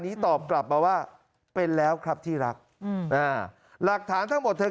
ตอบกลับมาว่าเป็นแล้วครับที่รักอืมอ่าหลักฐานทั้งหมดเธอ